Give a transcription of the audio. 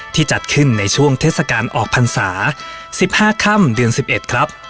ที่จัดขึ้นในช่วงเทศการออกพรรษาสิบห้าค่ำเดือนสิบเอ็ดครับ